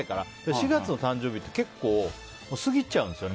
４月の誕生日って結構、過ぎちゃうんですよね。